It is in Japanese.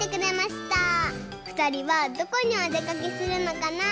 ふたりはどこにおでかけするのかな？